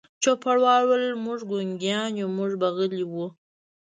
چوپړوال وویل: موږ ګونګیان یو، موږ به غلي وو.